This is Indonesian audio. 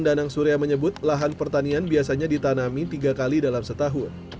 danang surya menyebut lahan pertanian biasanya ditanami tiga kali dalam setahun